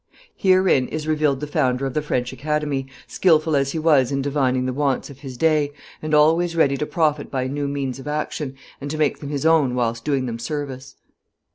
Herein is revealed the founder of the French Academy, skilful as he was in divining the wants of his day, and always ready to profit by new means of action, and to make them his own whilst doing them service.